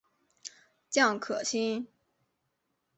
蒋可心。